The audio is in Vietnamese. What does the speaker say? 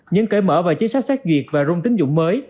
những kể mở về chính sách xét duyệt và rung tín dụng mới